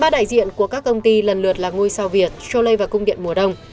ba đại diện của các công ty lần lượt là ngôi sao việt châu lây và cung điện mùa đông